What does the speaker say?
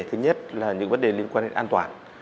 thứ nhất là những vấn đề liên quan đến an toàn